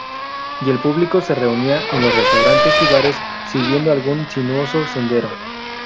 Y el público se reunía en los restaurantes y bares siguiendo algún sinuoso sendero.